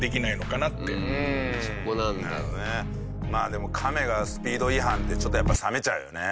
でもカメがスピード違反ってちょっと冷めちゃうよね。